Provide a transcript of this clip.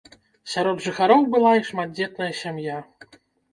Сярод жыхароў была і шматдзетная сям'я.